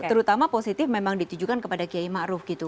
terutama positive memang ditujukan kepada kiai ma'ruf gitu